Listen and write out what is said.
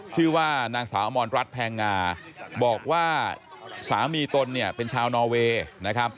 ชื่อว่านางสาวอมรรดรัฐแพงงาบอกว่าสามีตนเป็นชาวนอเวย์